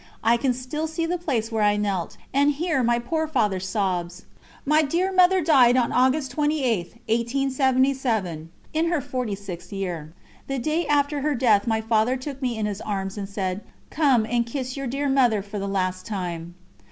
I can still see the place where I knelt, and hear my poor Father's sobs. My dear Mother died on August 28, 1877, in her forty sixth year. The day after her death my Father took me in his arms and said: "Come and kiss your dear Mother for the last time."